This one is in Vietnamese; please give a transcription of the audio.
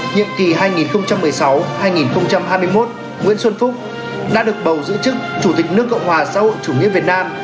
nhiệm kỳ hai nghìn một mươi sáu hai nghìn hai mươi một nguyễn xuân phúc đã được bầu giữ chức chủ tịch nước cộng hòa xã hội chủ nghĩa việt nam